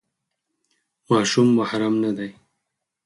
ماشوم محرم نه دی.